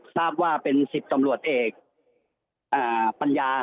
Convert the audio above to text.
ทราบว่าเป็น๑๐ตำรวจเอกปัญญา